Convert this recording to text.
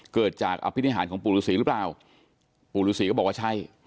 เกิดจากอภินิหารของปู่ฤษีหรือเปล่าปู่ฤษีก็บอกว่าใช่